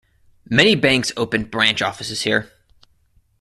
Many banks opened branch offices here.